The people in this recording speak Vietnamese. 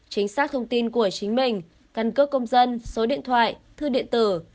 chính xác thông tin của chính mình căn cước công dân số điện thoại thư điện tử